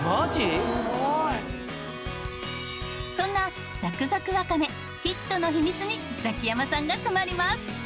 そんなザクザクわかめヒットの秘密にザキヤマさんが迫ります。